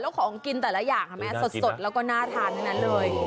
แล้วของกินแต่ละอย่างเห็นไหมสดแล้วก็น่าทานทั้งนั้นเลย